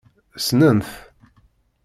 Ssnen-t.